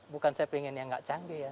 bukan saya ingin yang tidak canggih